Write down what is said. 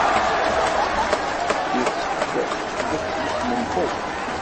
Yessefk ad tsusmemt akk.